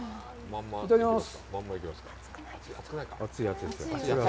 いただきます。